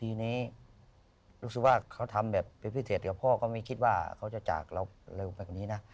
ปีนี้รู้สึกว่าเขาทำแบบเป็นพิเศษกับพ่อก็ไม่คิดว่าเขาจะจากเราเร็วไปกว่านี้นะ